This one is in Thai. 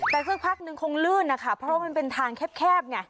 แต่สักพักนึงคงลื่นนะคะเพราะว่ามันเป็นทางแคบไง